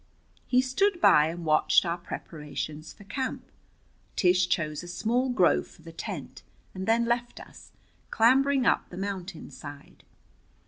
He stood by and watched our preparations for camp. Tish chose a small grove for the tent, and then left us, clambering up the mountain side.